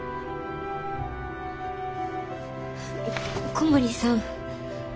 小森さん。